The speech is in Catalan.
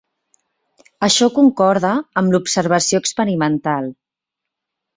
Això concorda amb l'observació experimental.